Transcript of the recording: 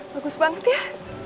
bagus banget ya